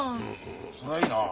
そりゃいいな。